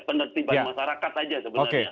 penertiban masyarakat saja sebenarnya